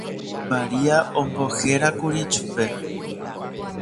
Maria ombohérakuri chupe.